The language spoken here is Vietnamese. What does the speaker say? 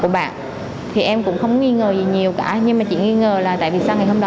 của bạn thì em cũng không nghi ngờ gì nhiều cả nhưng mà chị nghi ngờ là tại vì sao ngày hôm đó